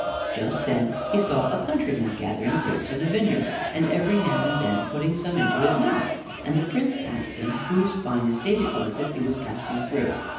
Just then he saw a countryman gathering grapes in a vineyard, and every now and then putting some into his mouth, and the Prince asked him whose fine estate it was that he was passing through.